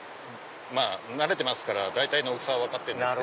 まぁ慣れてますから大体の大きさは分かってるんです。